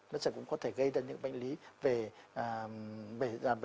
nó sẽ cũng có thể gây ra những bệnh lý về giả giải